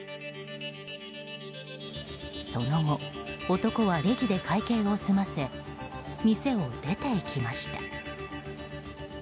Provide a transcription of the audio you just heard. その後、男はレジで会計を済ませ店を出て行きました。